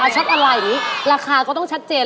ช็อปอะไรราคาก็ต้องชัดเจน